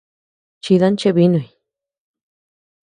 Chidan cheebinuy.